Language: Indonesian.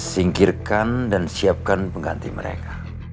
singkirkan dan siapkan pengganti mereka